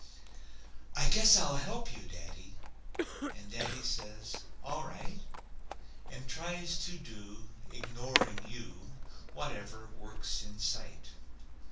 "I guess I'll help you, daddy." And daddy says: "All right," And tries to do, ignoring you, Whatever work's in sight.